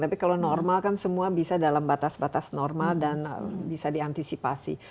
tapi kalau normal kan semua bisa dalam batas batas normal dan bisa diantisipasi